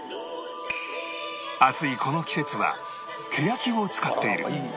暑いこの季節はケヤキを使っている